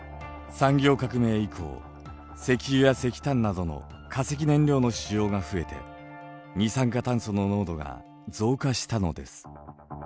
産業革命以降石油や石炭などの化石燃料の使用が増えて二酸化炭素の濃度が増加したのです。